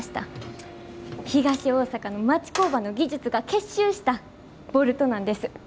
東大阪の町工場の技術が結集したボルトなんです。